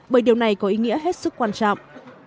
bởi điều này có ý nghĩa hết sức quan trọng